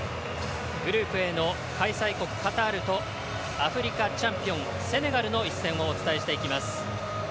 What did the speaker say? グループＡの開催国カタールとアフリカチャンピオンセネガルの一戦をお伝えしていきます。